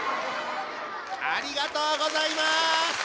ありがとうございます。